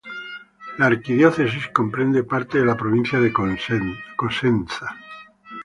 La arquidiócesis comprende parte de la Provincia de Cosenza.